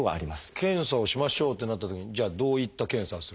検査をしましょうとなったときにじゃあどういった検査をするんでしょうか？